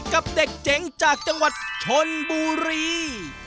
กับเด็กเจ๋งจากจังหวัดชนบุรี